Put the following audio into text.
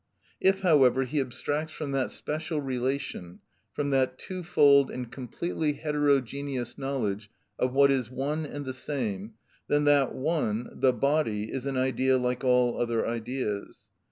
If, however, he abstracts from that special relation, from that twofold and completely heterogeneous knowledge of what is one and the same, then that one, the body, is an idea like all other ideas.